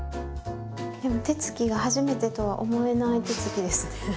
手つきが初めてとは思えない手つきですね。